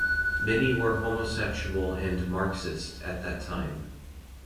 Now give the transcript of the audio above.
Many were homosexual and Marxist at that time.